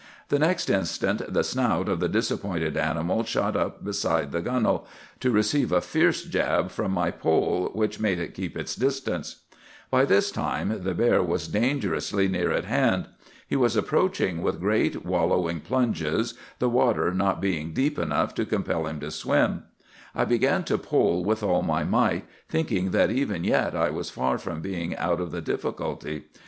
"The next instant the snout of the disappointed animal shot up beside the gunwale, to receive a fierce jab from my pole, which made it keep its distance. "By this time the bear was dangerously near at hand. He was approaching with great wallowing plunges, the water not being deep enough to compel him to swim. I began to pole with all my might, thinking that even yet I was far from being out of the difficulty.